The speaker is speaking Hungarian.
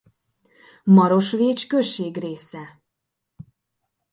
Marosvécs község része.